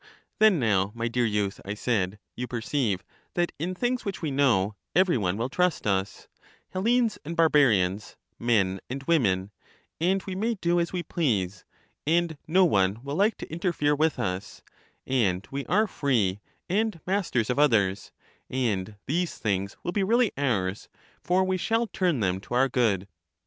Then now, my dear youth, I said, you perceive that in things which we know every one will trust us, — Hellenes and barbarians, men and women, — and we may do as we please, and no one will like to interfere with us ; and we are free, and masters of others ; and these things will be really ours, for we shall turn them to our good.